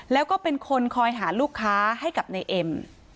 แล้วก็เป็นคนคอยหาลูกค้าให้กับนายเอ็ม